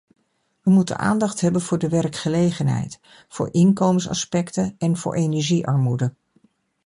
Wij moeten aandacht hebben voor de werkgelegenheid, voor inkomensaspecten en voor energiearmoede.